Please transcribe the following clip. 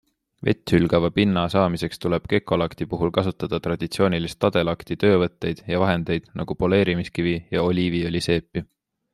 Vetthülgava pinna saamiseks tuleb gekolakti puhul kasutada traditsioonilisi tadelakti töövõtteid ja -vahendeid nagu poleerimiskivi ja oliivõliseepi.